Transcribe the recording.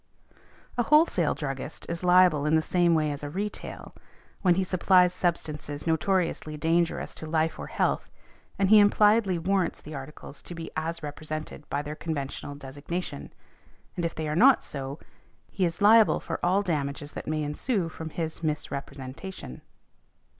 A wholesale druggist is liable in the same way as a retail, when he supplies substances notoriously dangerous to health or life, and he impliedly warrants the articles to be as represented by their conventional designation, and if they are not so, he is liable for all damages that may ensue from his misrepresentation .